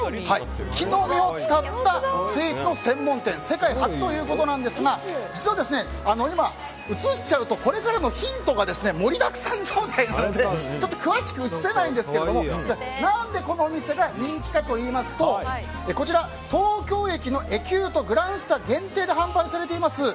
木の実を使ったスイーツの専門店世界初ということなんですが実は今、映しちゃうとこれからのヒントが盛りだくさん状態になるのでちょっと詳しく映せないんですが何で、このお店が人気かといいますとこちら、東京駅のエキュート、グランスタ限定で販売されています